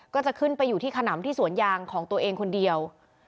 ก็จะขึ้นไปอยู่ที่ขนำที่สวนยางของตัวเองคนเดียว